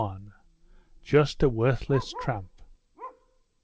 "JUST A WORTHLESS TRAMP."